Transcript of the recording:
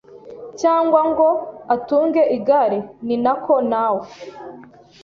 cyangwa ngo atunge igare ni nako nawe